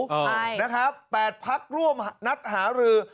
ใช่นะครับ๘พักร่วมนัดหารือ